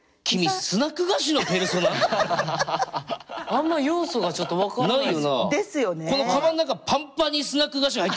あんま要素がちょっと分かんないです。ですよね！